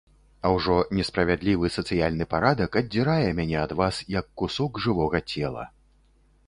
А ўжо несправядлівы сацыяльны парадак аддзірае мяне ад вас, як кусок жывога цела.